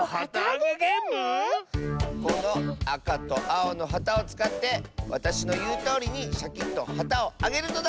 このあかとあおのはたをつかってわたしのいうとおりにシャキッとはたをあげるのだ！